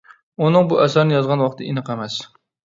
ئۇنىڭ بۇ ئەسەرنى يازغان ۋاقتى ئېنىق ئەمەس.